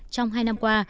trong hai năm qua